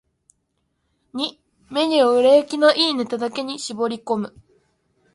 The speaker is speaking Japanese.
ⅱ メニューを売れ行きの良いネタだけに絞り込む